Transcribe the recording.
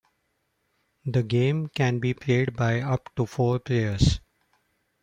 The game can be played by up to four players.